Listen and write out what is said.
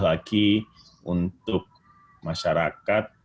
lagi untuk masyarakat